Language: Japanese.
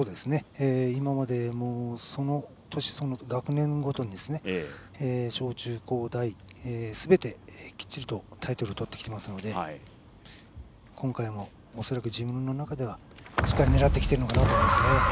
今まで学年ごとに小中高大、すべてきっちりタイトルをとってきていますので今回も恐らく自分の中ではしっかり狙ってきていると思います。